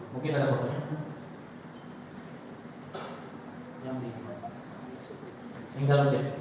mungkin ada bapaknya